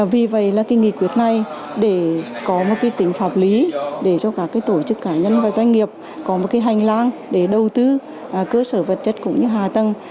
vì vậy là cái nghị quyết này để có một tính pháp lý để cho các tổ chức cá nhân và doanh nghiệp có một cái hành lang để đầu tư cơ sở vật chất cũng như hạ tầng